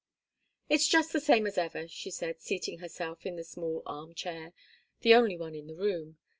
"It's just the same as ever," she said, seating herself in the small arm chair the only one in the room.